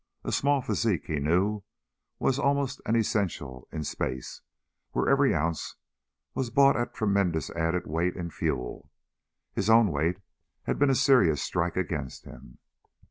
A small physique, he knew, was almost an essential in space, where every ounce was bought at tremendous added weight in fuel. His own weight had been a serious strike against him.